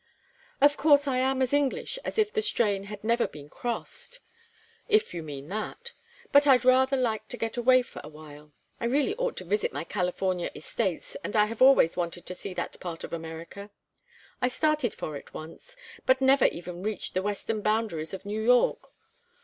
"Of course I am as English as if the strain had never been crossed, if you mean that. But I'd rather like to get away for a while. I really ought to visit my California estates, and I have always wanted to see that part of America. I started for it once, but never even reached the western boundaries of New York.